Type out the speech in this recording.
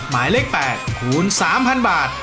หมายเลข๘คูณ๓๐๐บาท